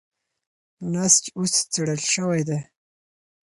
نسج اوس څېړل شوی دی.